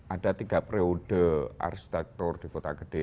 ada tiga periode arsitektur di kota gede